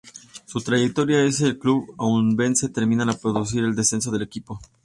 Su trayectoria en el club onubense termina al producirse el descenso del equipo.